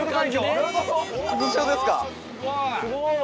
すごい。